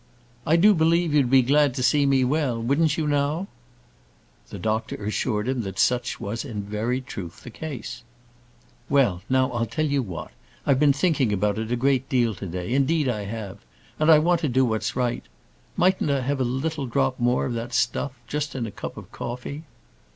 "I do believe you'd be glad to see me well; wouldn't you, now?" The doctor assured him that such was in very truth the case. "Well, now, I'll tell you what: I've been thinking about it a great deal to day; indeed, I have, and I want to do what's right. Mightn't I have a little drop more of that stuff, just in a cup of coffee?"